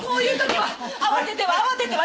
はい！